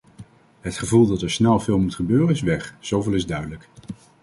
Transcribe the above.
Het gevoel dat er snel veel moet gebeuren is weg, zoveel is duidelijk.